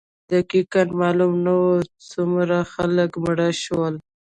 دقیقا معلوم نه وو څومره خلک مړه شول.